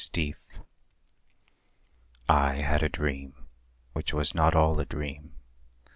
[k] I had a dream, which was not all a dream.